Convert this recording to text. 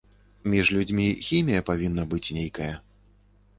Між людзьмі хімія павінна быць нейкая.